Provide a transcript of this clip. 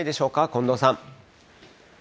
近藤さん。